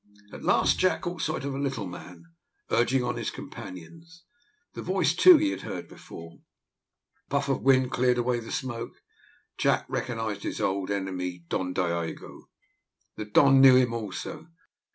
At last Jack caught sight of a little man, urging on his companions. The voice too he had heard before. A puff of wind cleared away the smoke: Jack recognised his old enemy, Don Diogo. The Don knew him also.